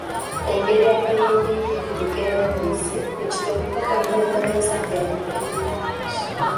Engeri akayindiyindi gye keerandiza ku kitooke kafaananira ddala ng’omusajja alippye munne.